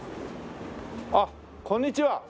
あっこんにちは。